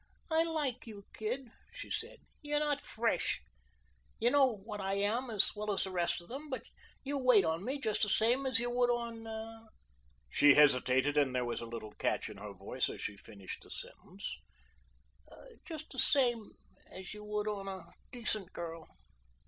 "I like you, kid," she said. "You're not fresh. You know what I am as well as the rest of them, but you wait on me just the same as you would on" she hesitated and there was a little catch in her voice as she finished her sentence "just the same as you would on a decent girl."